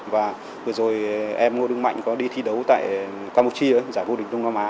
và vừa rồi em ngô đức mạnh có đi thi đấu tại campuchia giải vô địch đông nam á